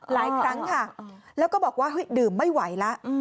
หลายครั้งค่ะแล้วก็บอกว่าเฮ้ยดื่มไม่ไหวแล้ว